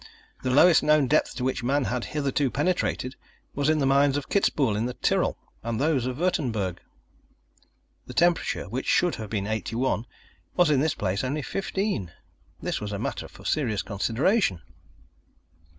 The lowest known depth to which man had hitherto penetrated was in the mines of Kitzbuhel, in the Tirol, and those of Wurttemberg. The temperature, which should have been eighty one, was in this place only fifteen. This was a matter for serious consideration.